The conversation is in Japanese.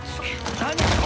何？